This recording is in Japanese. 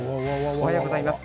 おはようございます。